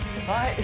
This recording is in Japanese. はい